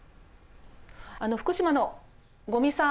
福島の五味さん